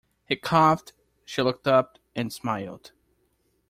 He coughed; she looked up and smiled.